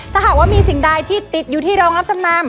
ถ้าหากว่ามีสิ่งใดที่ติดอยู่ที่โรงรับจำนำ